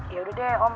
ya udah deh om